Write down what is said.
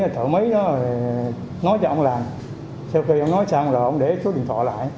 thợ máy nói cho ông làm sau khi ông nói xong rồi ông để số điện thoại lại